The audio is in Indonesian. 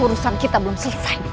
urusan kita belum selesai